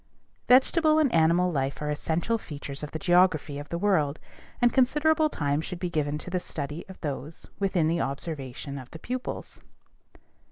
Vegetable and animal life are essential features of the geography of the world, and considerable time should be given to the study of those within the observation of the pupils.